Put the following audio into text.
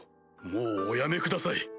もうおやめください